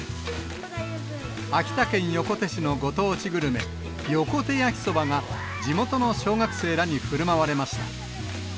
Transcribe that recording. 秋田県横手市のご当地グルメ、横手やきそばが、地元の小学生らにふるまわれました。